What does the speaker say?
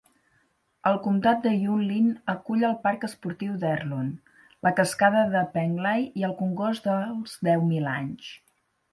El comtat de Yunlin acull el parc esportiu d'Erlun, la cascada de Penglai i el congost dels Deu Mil Anys.